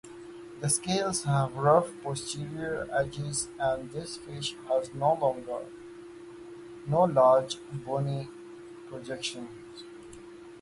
The scales have rough posterior edges and this fish has no large bony projections.